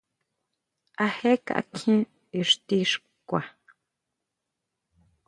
¿A je kakjien ixti xkua.